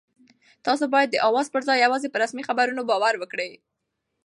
تاسو باید د اوازو پر ځای یوازې په رسمي خبرونو باور وکړئ.